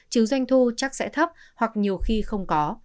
chứ doanh thu chắc sẽ thấp hoặc nhiều khi không có